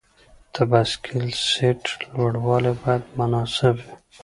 د بایسکل سیټ لوړوالی باید مناسب وي.